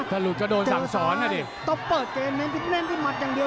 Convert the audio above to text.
ถ้าหลุดก็โดนสามสอนอะดิ